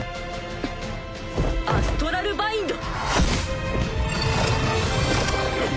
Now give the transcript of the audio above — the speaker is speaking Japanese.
アストラルバインド！